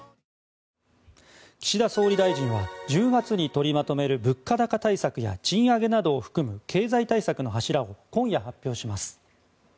岸田総理大臣は１０月に取りまとめる物価高対策や賃上げなどを含む経済対策の柱を今夜、発表します。